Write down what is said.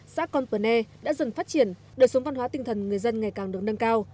xã converne đã dần phát triển đời sống văn hóa tinh thần người dân ngày càng được nâng cao